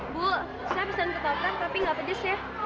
bu saya pesan ke papan tapi nggak pedes ya